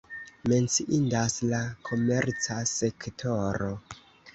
Menciindas la komerca sektoro.